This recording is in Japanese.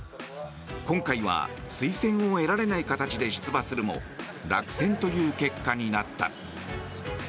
今回は推薦を得られない形で出馬するも落選という結果になった。